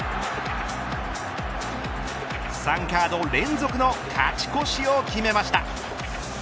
３カード連続の勝ち越しを決めました。